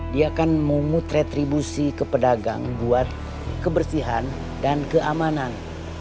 dia kan mau mutretribusi ke pedagang buat kebersihan dan keamanan